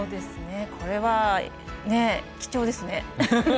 これは貴重ですね。